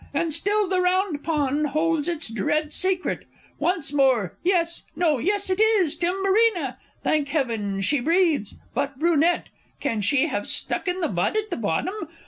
And still the Round Pond holds its dread secret! Once more ... yes no, yes, it is Timburina! Thank Heaven, she yet breathes! But Brunette? Can she have stuck in the mud at the bottom?